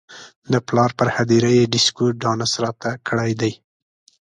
د پلار پر هدیره یې ډیشکو ډانس راته کړی دی.